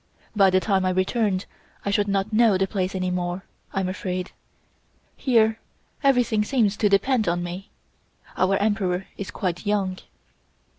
By the time I returned I should not know the place any more, I'm afraid. Here everything seems to depend on me. Our Emperor is quite young."